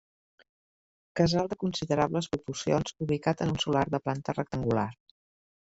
Casal de considerables proporcions ubicat en un solar de planta rectangular.